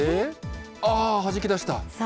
ああ、はじき出した。